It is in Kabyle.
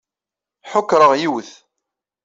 Ḥukṛeɣ yiwet.